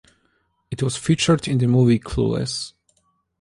It was featured in the movie "Clueless".